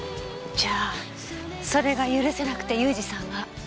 じゃあそれが許せなくて雄二さんは。